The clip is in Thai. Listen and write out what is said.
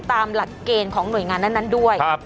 ตามหลักเกณฑ์ของหน่วยงานนั้นด้วย